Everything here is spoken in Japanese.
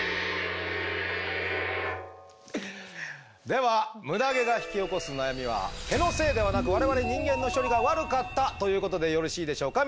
ではムダ毛が引き起こす悩みは毛のせいではなく我々人間の処理が悪かったということでよろしいでしょうか？